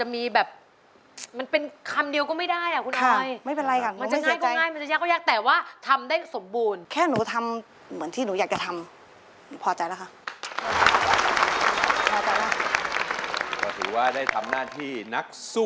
มีบางหนุ่มถึงธิบาล